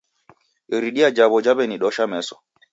iridia jaw'o jaw'eni dosha meso.